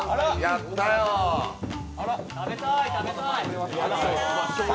食べたい食べたい。